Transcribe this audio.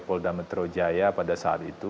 polda metro jaya pada saat itu